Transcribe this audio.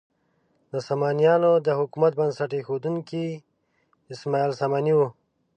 د سامانیانو د حکومت بنسټ ایښودونکی اسماعیل ساماني و.